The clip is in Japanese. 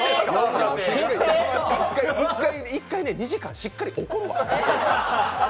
１回ね、２時間しっかり怒るわ。